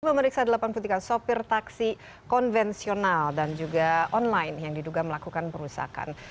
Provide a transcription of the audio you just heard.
pemeriksa delapan putihkan sopir taksi konvensional dan juga online yang diduga melakukan perusakan